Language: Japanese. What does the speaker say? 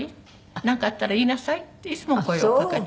「なんかあったら言いなさい」っていつも声を掛けて。